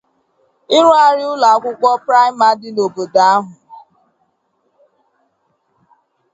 ịrụgharị ụlọ akwụkwọ Praịma dị n'obodo ahụ